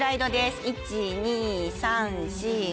１・２・３・４・５。